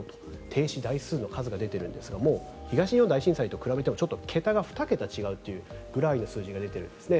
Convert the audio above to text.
停止台数の数が出ているんですがもう東日本大震災と比べても桁が２桁違うというぐらいの数字が出ているんですね。